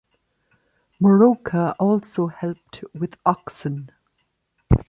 Moroka also helped with oxen.